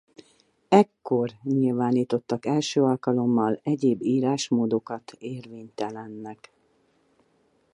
Ekkor nyilvánítottak első alkalommal egyéb írásmódokat érvénytelennek.